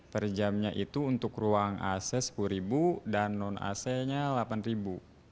per jamnya itu untuk ruang ac rp sepuluh dan non ac nya rp delapan